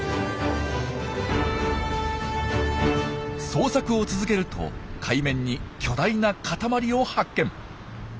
捜索を続けると海面に巨大な塊を発見。